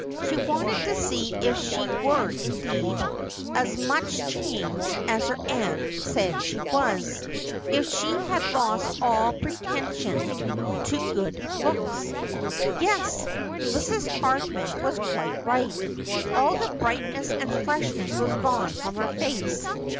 She wanted to see if she were indeed as much changed as her aunt said she was — if she had lost all pretension to good looks. Yes, Mrs. Hardman was quite right. All the brightness and freshness was gone from her face.